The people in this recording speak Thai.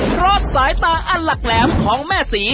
เพราะสายตาอันหลักแหลมของแม่ศรี